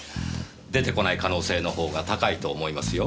出てこない可能性のほうが高いと思いますよ。